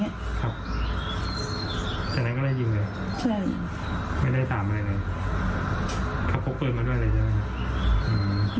เขาพกปืนมาด้วยเลยใช่ไหม